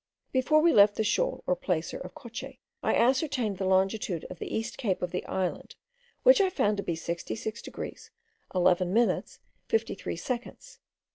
Before we left the shoal or placer of Coche, I ascertained the longitude of the east cape of the island, which I found to be 66 degrees 11 minutes 53 seconds.